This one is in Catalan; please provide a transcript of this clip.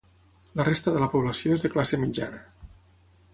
La resta de la població és de classe mitjana.